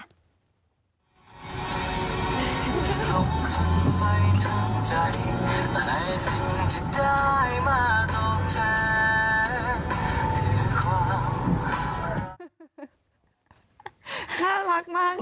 น่ารักมากเลย